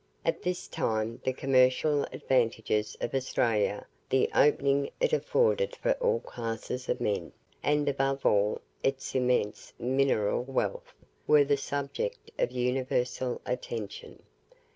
At this time the commercial advantages of Australia, the opening it afforded for all classes of men, and above all, its immense mineral wealth, were the subject of universal attention.